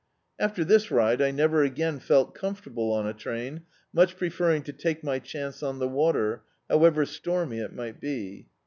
After this ride I never again felt comfortable on a train, much pre* ferring to take my chance on the water, however stormy it might be.